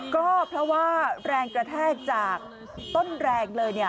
ก็เพราะว่าแรงกระแทกจากต้นแรงเลย